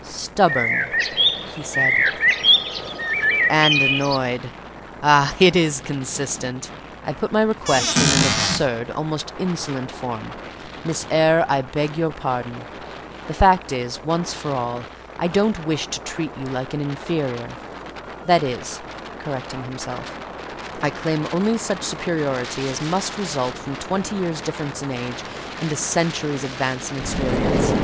"Stubborn?" he said, "and annoyed. Ah! it is consistent. I put my request in an absurd, almost insolent form. Miss Eyre, I beg your pardon. The fact is, once for all, I don't wish to treat you like an inferior: that is" (correcting himself), "I claim only such superiority as must result from twenty years' difference in age and a century's advance in experience.